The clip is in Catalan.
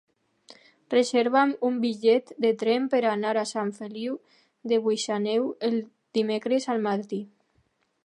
Reserva'm un bitllet de tren per anar a Sant Feliu de Buixalleu dimecres al matí.